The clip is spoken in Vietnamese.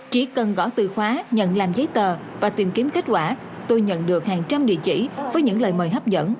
chỉ cần gõ từ khóa nhận làm giấy tờ và tìm kiếm kết quả tôi nhận được hàng trăm địa chỉ với những lời mời hấp dẫn